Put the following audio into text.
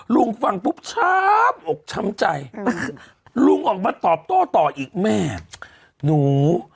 ลุงฟังปุ๊บช้ำอกช้ำใจลุงออกมาตอบโต้ต่ออีกแม่หนู